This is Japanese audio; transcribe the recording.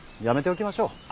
やめておきましょう。